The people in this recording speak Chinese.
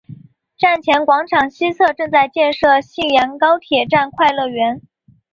站前广场西侧正在建设信阳高铁站快乐园。